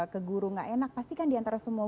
ke guru nggak enak pasti kan di antara semua